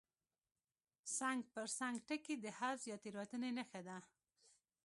څنګ پر څنګ ټکي د حذف یا تېرېدنې نښه ده.